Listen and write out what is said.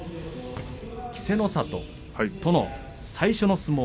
稀勢の里との最初の相撲